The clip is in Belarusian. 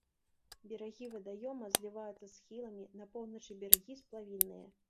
Берагі вадаёма зліваюцца з схіламі, на поўначы берагі сплавінныя.